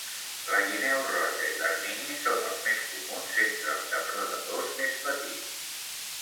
La guineu roja i l'ermini són els més comuns entre els depredadors més petits.